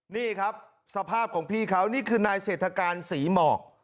นี่ครับสภาพของพี่เขานี่คือนายเสร็จทศักรณ์สีหมอก